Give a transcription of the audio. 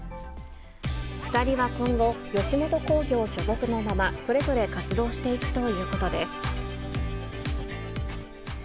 ２人は今後、吉本興業所属のまま、それぞれ活動していくということです。